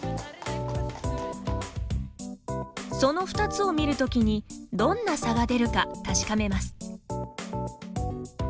その２つを見るときにどんな差が出るか、確かめます。